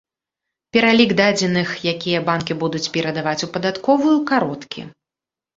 Пералік дадзеных, якія банкі будуць перадаваць у падатковую, кароткі.